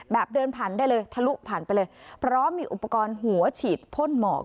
เดินผ่านได้เลยทะลุผ่านไปเลยพร้อมมีอุปกรณ์หัวฉีดพ่นหมอก